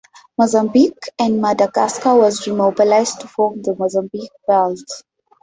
Mozambique, and Madagascar was remobilized to form the Mozambique Belt.